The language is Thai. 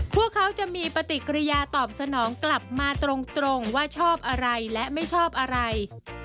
พวกเขาจะมีปฏิกิริยาตอบสนองกลับมาตรงว่าชอบอะไรและไม่ชอบอะไร